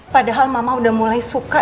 padahal mama udah mulai suka